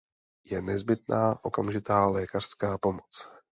Je nezbytná okamžitá lékařská pomoc.